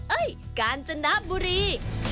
เอ้ยกาลจนบุรี